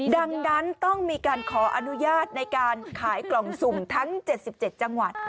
ดังนั้นต้องมีการขออนุญาตในการขายกล่องสุ่มทั้ง๗๗จังหวัด